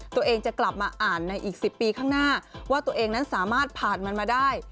ตัวเองจะกลับมาอ่านในอีก๑๐ปีข้างหน้าว่าตัวเองนั้นสามารถผ่านมันมาได้